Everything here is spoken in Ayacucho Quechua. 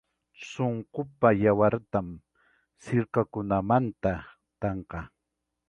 Sunquqa yawartam sirkakunamanta tanqan.